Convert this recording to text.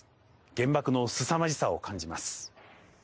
原爆のすさまじさを感じます。